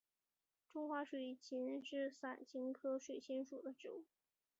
中华水芹是伞形科水芹属的植物。